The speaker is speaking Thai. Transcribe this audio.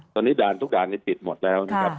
ตอนนี้ด่านทุกด่านนี้ปิดหมดแล้วนะครับ